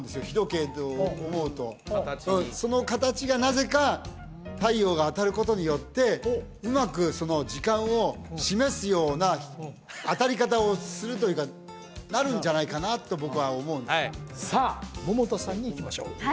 日時計と思うとその形がなぜか太陽が当たることによってうまく時間を示すような当たり方をするというかなるんじゃないかなと僕は思うんですさあ百田さんにいきましょう